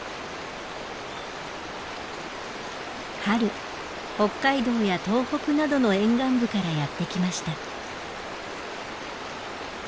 春北海道や東北などの沿岸部からやって来ました。